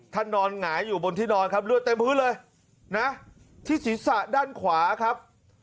ท่านนอนหงายอยู่บนซ่อปนอนครับรืดเต็มพื้นเลยนะที่ศิษย์ศะด้านขวาครับ